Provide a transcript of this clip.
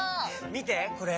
みてこれ。